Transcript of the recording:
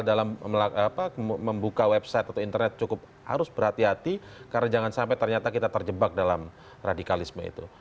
dalam membuka website atau internet cukup harus berhati hati karena jangan sampai ternyata kita terjebak dalam radikalisme itu